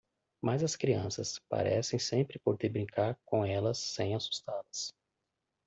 Mas as crianças parecem sempre poder brincar com elas sem assustá-las.